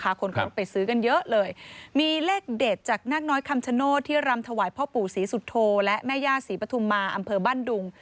คนก็ไปซื้อกันเยอะเลยมีเลขเด็ดจากนาคน้อยคำชโนธที่รำถวายพ่อปู่ศรีสุโธและแม่ย่าศรีปฐุมมาอำเภอบ้านดุง